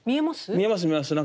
見えます見えます。